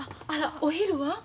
あらお昼は？